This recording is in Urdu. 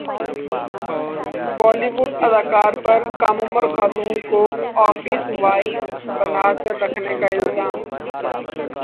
ہولی وڈ اداکار پر کم عمر خاتون کو افس وائفبنا کر رکھنے کا الزام